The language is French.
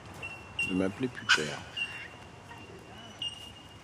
Ne m’appelez plus père.